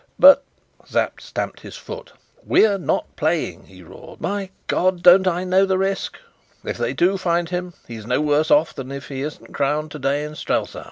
"But " Sapt stamped his foot. "We're not playing," he roared. "My God! don't I know the risk? If they do find him, he's no worse off than if he isn't crowned today in Strelsau."